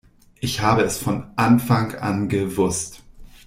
Ich habe es von Anfang an gewusst!